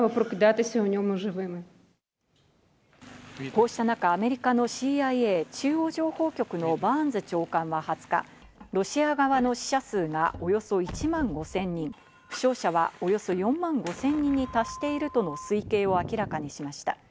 こうした中、アメリカのＣＩＡ＝中央情報局のバーンズ長官は２０日、ロシア側の死者数がおよそ１万５０００人、負傷者はおよそ４万５０００人に達しているとの推計を明らかにしました。